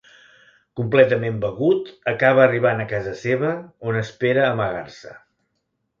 Completament begut acaba arribant a casa seva on espera amagar-se.